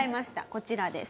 こちらです。